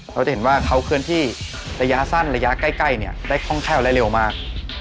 เราจะเห็นว่าเขาเคลื่อนที่ระยะสั้นระยะใกล้ได้คล่องแคล่วและเร็วมาก